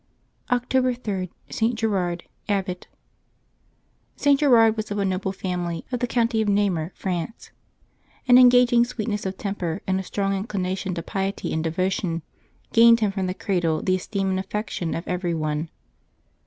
October 3.— ST. GERARD, Abbot. [t. Gerard was of a noble family of the county of ISTamur, France. An engaging sweetness of temper, and a strong inclination to piety and devotion, gained him from the cradle the esteem and aft'ection of every one.